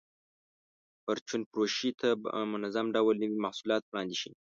پرچون فروشۍ ته په منظم ډول نوي محصولات وړاندې شي.